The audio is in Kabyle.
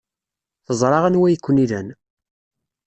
Teẓra anwa ay ken-ilan.